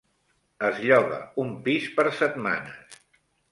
Es lloga un pis per setmanes.